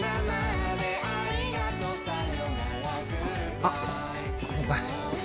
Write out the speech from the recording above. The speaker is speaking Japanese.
あっ先輩